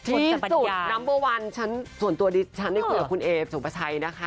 คุณนัมเบอร์วันส่วนตัวดิฉันได้คุยกับคุณเอสุภาชัยนะคะ